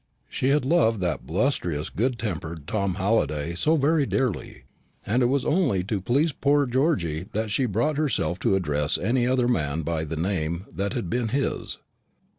She had loved that blustrous good tempered Tom Halliday so very dearly, and it was only to please poor Georgy that she brought herself to address any other man by the name that had been his.